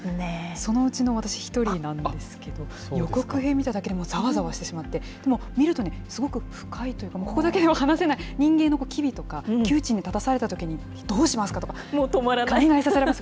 そのうちの私、一人なんですけど、予告編見ただけでも、ざわざわしてしまって、でも見ると、すごく深いというか、ここだけでは話せない人間の機微とか、窮地に立たされたときにどうしますかとか考えさせられます。